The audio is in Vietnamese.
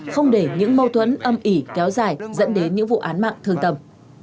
không để những mâu thuẫn âm ỉ kéo dài dẫn đến những vụ án mạng thương tâm